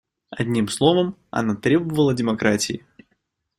Одним словом, она требовала демократии.